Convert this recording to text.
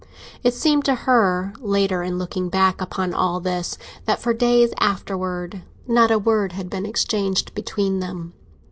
It seemed to her, later, in looking back upon all this, that for days afterwards not a word had been exchanged between them.